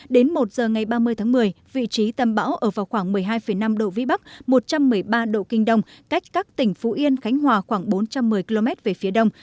đến một giờ ngày ba mươi tháng một mươi vị trí tâm bão ở vào khoảng một mươi hai năm độ vĩ bắc một trăm một mươi ba độ kinh đông cách các tỉnh phú yên khánh hòa khoảng bốn trăm một mươi km về phía đông